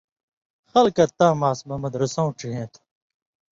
خلکہ تاں ماسمہ مدرسیُوں ڇہیں تھو